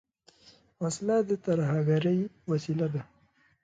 وسله د ترهګرۍ وسیله ده